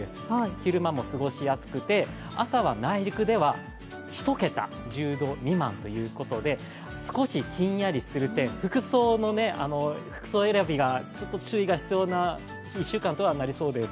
昼間も過ごしやすくて朝では内陸では１桁、１０度未満ということで、少しひんやりするので服装選びがちょっと注意が必要な１週間とはなりそうです。